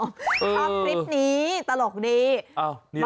ชอบคลิปนี้ตลกดี